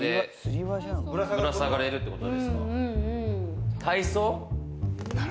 ぶら下がれるってこと？